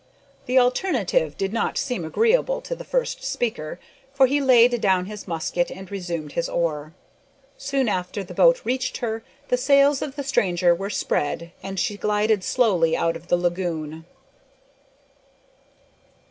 The alternative did not seem agreeable to the first speaker, for he laid down his musket, and resumed his oar. Soon after the boat reached her, the sails of the stranger were spread, and she glided slowly out of the lagoon.